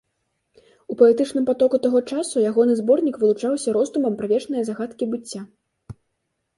У паэтычным патоку таго часу ягоны зборнік вылучаўся роздумам пра вечныя загадкі быцця.